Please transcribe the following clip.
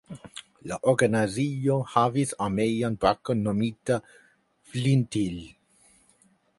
La organizo havis armean brakon nomitan Flintil.